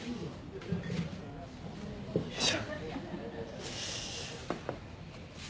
よいしょ。